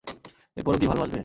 এরপরও কি ভালোবাসবে?